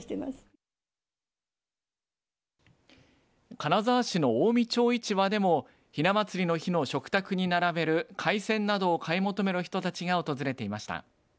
金沢市の近江町市場でもひなまつりの日の食卓に並べる海鮮などを買い求める人たちが訪れていました。